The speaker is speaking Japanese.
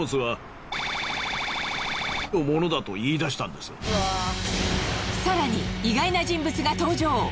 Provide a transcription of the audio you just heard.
だが更に意外な人物が登場。